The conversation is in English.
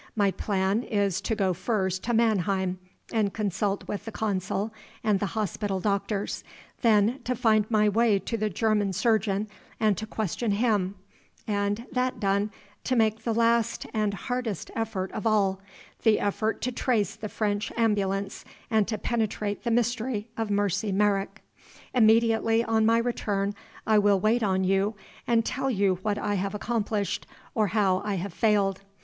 My plan is to go first to Mannheim and consult with the consul and the hospital doctors; then to find my way to the German surgeon and to question him; and, that done, to make the last and hardest effort of all the effort to trace the French ambulance and to penetrate the mystery of Mercy Merrick. "Immediately on my return I will wait on you, and tell you what I have accomplished, or how I have failed.